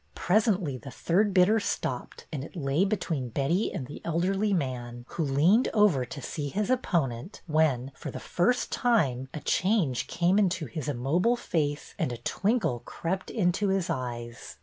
Presently the third bidder stopped, and it lay between Betty and the elderly man, who leaned over to see his opponent, when, for the first time, a change came into his immobile face and a twinkle crept into his eyes.